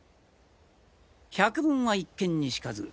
百聞は一見にしかず！